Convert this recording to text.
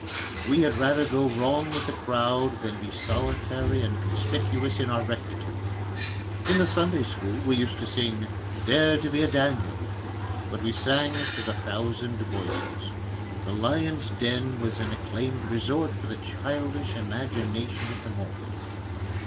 We had rather go wrong with the crowd than be solitary and conspicuous in our rectitude. In the Sunday school we used to sing "Dare to be a Daniel," but we sang it with a thousand voices. The lion's den was an acclaimed resort for the childish imagination at the moment.